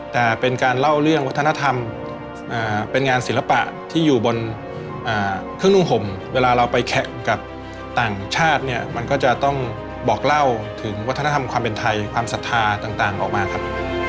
แต่เป็นการเล่าเรื่องวัฒนธรรมเป็นงานศิลปะที่อยู่บนเครื่องนุ่งห่มเวลาเราไปแข่งกับต่างชาติเนี่ยมันก็จะต้องบอกเล่าถึงวัฒนธรรมความเป็นไทยความศรัทธาต่างออกมาครับ